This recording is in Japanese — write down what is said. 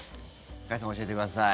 加谷さん教えてください。